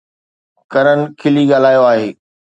ڪرن کلي ڳالهايو آهي